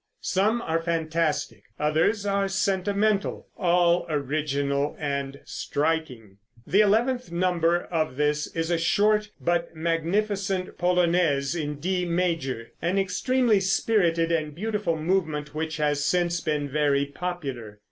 Some are fantastic, others are sentimental, all original and striking. The eleventh number of this is a short but magnificent polonaise in D major, an extremely spirited and beautiful movement which has since been very popular.